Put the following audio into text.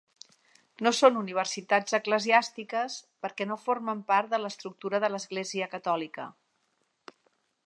No són universitats eclesiàstiques perquè no formen part de l'estructura de l'Església Catòlica.